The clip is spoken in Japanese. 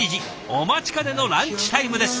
お待ちかねのランチタイムです。